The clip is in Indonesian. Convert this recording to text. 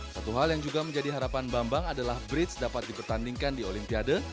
satu hal yang juga menjadi harapan bambang adalah bridge dapat dipertandingkan di olimpiade